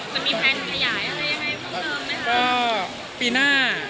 จะมีแพลนขยายอะไรยังไงพรุ่งเริ่มไหมครับ